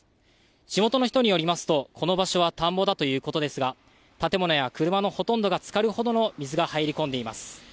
地元の人によりますと、この場所は田んぼだということですが、建物や車のほとんどが浸かるほどの水が入り込んでいます。